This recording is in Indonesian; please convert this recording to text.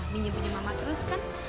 minyak punya mama terus kan